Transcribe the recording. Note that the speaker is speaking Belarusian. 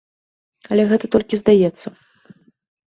Але гэта толькі здаецца.